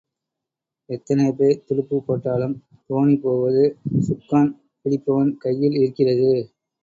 எத்தனை பேர் துடுப்புப் போட்டாலும் தோணி போவது சுக்கான் பிடிப்பவன் கையில் இருக்கிறது.